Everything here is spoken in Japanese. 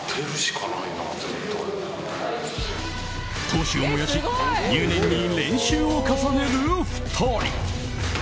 闘志を燃やし入念に練習を重ねる２人。